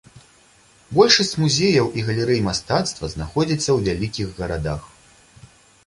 Большасць музеяў і галерэй мастацтва знаходзіцца ў вялікіх гарадах.